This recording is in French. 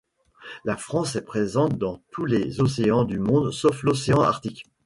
La France est présente dans tous les océans du monde sauf l'océan Arctique.